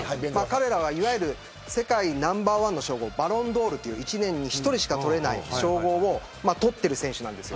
彼らは世界ナンバーワンの称号バロンドールという１年に１人しか取れない称号を取ってる選手なんですよ。